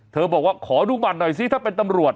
บอกว่าขอดูบัตรหน่อยซิถ้าเป็นตำรวจ